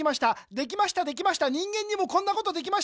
できましたできました人間にもこんなことできました。